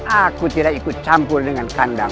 aku tidak ikut campur dengan kandang